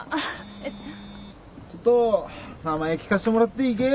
ちょっと名前聞かせてもらっていいけ？